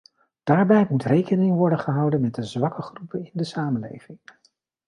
Daarbij moet rekening worden gehouden met de zwakke groepen in de samenleving.